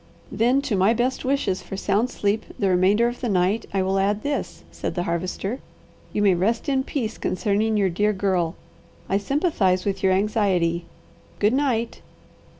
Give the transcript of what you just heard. "Then to my best wishes for sound sleep the remainder of the night, I will add this," said the Harvester "You may rest in peace concerning your dear girl. I sympathize with your anxiety. Good night!"